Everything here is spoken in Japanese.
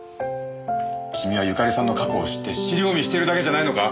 君は由香利さんの過去を知って尻込みしてるだけじゃないのか？